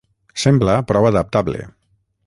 Sembla prou adaptable.